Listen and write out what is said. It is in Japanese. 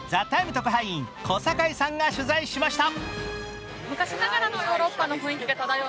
特派員・小坂井さんが取材しました。